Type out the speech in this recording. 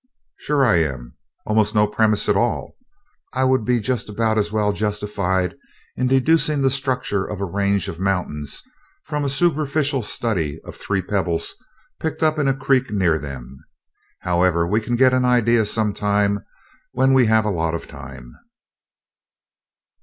"Sure I am almost no premises at all. I would be just about as well justified in deducing the structure of a range of mountains from a superficial study of three pebbles picked up in a creek near them. However, we can get an idea some time, when we have a lot of time."